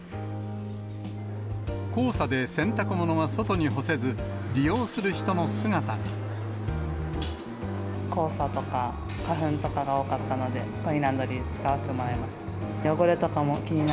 黄砂で洗濯物が外に干せず、黄砂とか花粉とかが多かったので、コインランドリー、使わせてもらいました。